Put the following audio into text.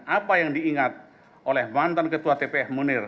apa yang diingat oleh mantan ketua tpf munir